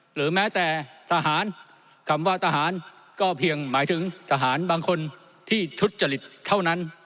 หรือแม้แต่ทหารคำว่าทหารก็เพียงหมายถึงทหารบางคนที่ทุจริตเท่านั้น